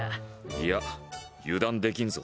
いや油断できんぞ。